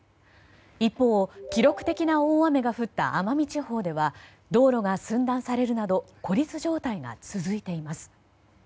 一方、記録的な大雨が降った奄美地方では道路が寸断されるなど孤立状態が続いています。